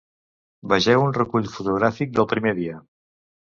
Vegeu un recull fotogràfic del primer dia.